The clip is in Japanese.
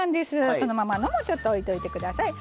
そのままのもちょっと置いておいて下さい。